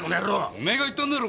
お前が言ったんだろ